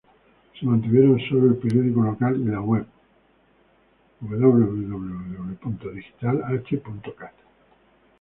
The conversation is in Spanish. Se mantuvieron sólo el periódico local y la web www.digital-h.cat.